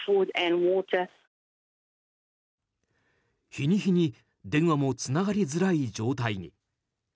日に日に電話もつながりづらい状態に。